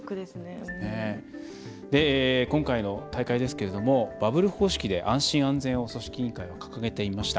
今回の大会ですけれどもバブル方式で安心・安全を組織委員会は掲げていました。